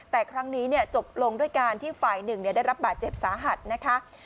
แต่ครั้งนี้จบลงด้วยการที่ฝ่ายหนึ่งได้รับบาดเจ็บสาหัสนะคะ